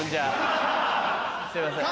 すいません。